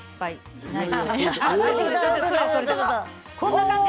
こんな感じ。